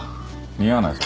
似合わないぞ。